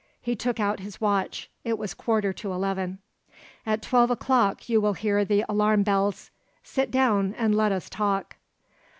He took out his watch; it was a quarter to eleven. "At twelve o'clock you will hear the alarm bells. Sit down, and let us talk."